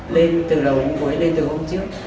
lên từ lâu hôm cuối lên từ hôm trước